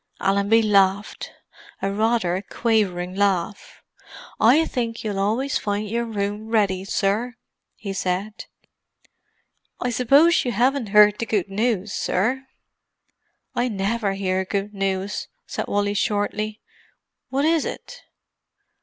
Allenby laughed—a rather quavering laugh. "I think you'll always find your room ready, sir," he said. "You—I suppose you 'aven't 'eard our good news, sir?" "I never hear good news," said Wally shortly. "What is it?"